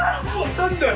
何だよ！？